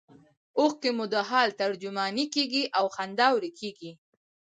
اوښکې مو د حال ترجمانې کیږي او خندا ورکیږي